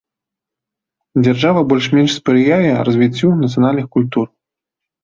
Дзяржава больш-менш спрыяе развіццю нацыянальных культур.